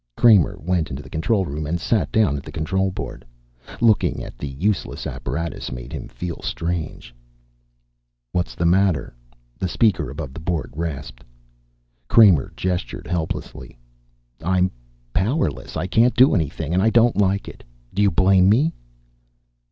Kramer went into the control room and sat down at the control board. Looking at the useless apparatus made him feel strange. "What's the matter?" the speaker above the board rasped. Kramer gestured helplessly. "I'm powerless. I can't do anything. And I don't like it. Do you blame me?"